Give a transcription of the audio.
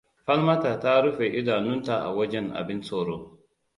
Falmata ta rufe idanunta a wajen abin tsoro.